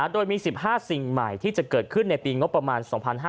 โดยมี๑๕สิ่งใหม่ที่จะเกิดขึ้นในปีงบประมาณ๒๕๕๙